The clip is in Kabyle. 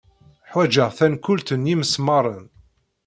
Ḥwajeɣ tankult n yimesmaṛen.